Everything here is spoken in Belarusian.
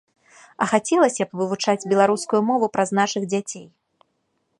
А хацелася б вывучаць беларускую мову праз нашых дзяцей.